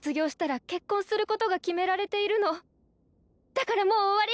だからもう終わり！